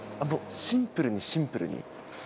シンプルに、シンプルに。